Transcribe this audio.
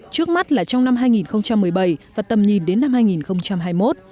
trước mắt là trong năm hai nghìn một mươi bảy và tầm nhìn đến năm hai nghìn hai mươi một